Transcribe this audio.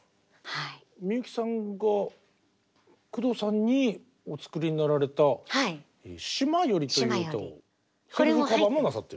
みゆきさんが工藤さんにお作りになられた「島より」という歌セルフカバーもなさってる。